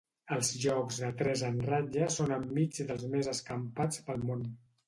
Els jocs de tres en ratlla són enmig dels més escampats pel món.